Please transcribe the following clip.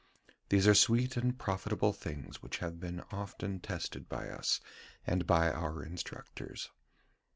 These are sweet and profitable things which have been often tested by us and by our instructors.